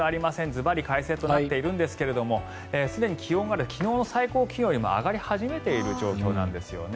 ずばり快晴となっているんですがすでに気温が昨日の最高気温よりも上がり始めている状況なんですよね。